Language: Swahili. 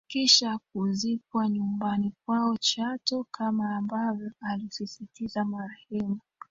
Kisha kuzikwa nyumbani kwao Chato kama ambavyo alisisitiza marehemu